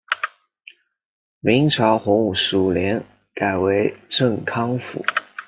明朝洪武十五年改为镇康府。